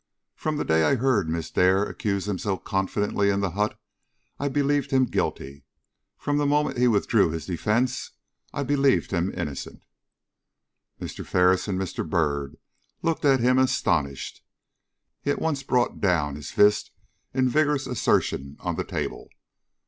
From the day I heard Miss Dare accuse him so confidently in the hut, I believed him guilty; from the moment he withdrew his defence, I believed him innocent." Mr. Ferris and Mr. Byrd looked at him astonished. He at once brought down his fist in vigorous assertion on the table.